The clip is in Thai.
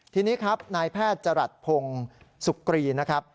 ทีนี้ครับนายแพทย์จรัสพงศ์สุกรีนะครับ